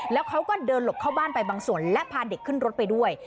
แล้วเขาก็เดินหลบเข้าบ้านไปบางส่วนและพาเด็กขึ้นรถไปด้วย